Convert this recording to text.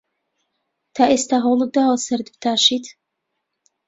تا ئێستا هەوڵت داوە سەرت بتاشیت؟